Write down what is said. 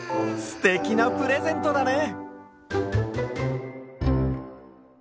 すてきなプレゼントだね！